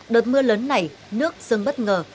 đợt mưa lớn này nước dâng bất ngờ